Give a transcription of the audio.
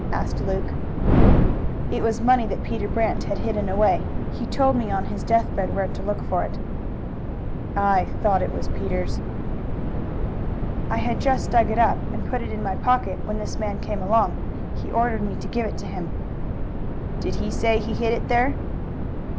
asked Luke. "It was money that Peter Brant had hidden away. He told me on his death bed where to look for it." "I thought it was Peter's." "I had just dug it up and put it in my pocket when this man came along. He ordered me to give it to him." "Did he say he hid it there?"